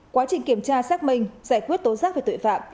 quá trình kiểm tra xác minh giải quyết tố giác về tội phạm